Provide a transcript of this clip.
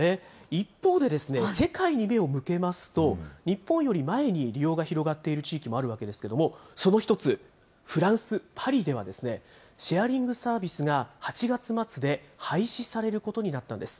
一方で、世界に目を向けますと、日本より前に利用が広がっている地域もあるわけですけれども、その１つ、フランス・パリでは、シェアリングサービスが８月末で廃止されることになったんです。